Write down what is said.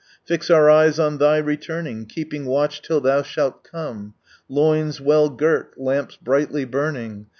Fix our eyes on Thy returning, keeping watch till Thou shall come, Loins well girt, lamps brightly burning.